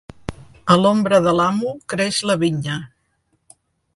A l'ombra de l'amo creix la vinya.